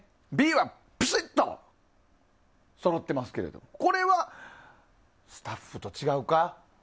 Ｂはピシッとそろってますけどもこれは、スタッフと違うか？